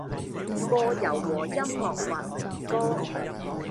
播柔和音樂或兒歌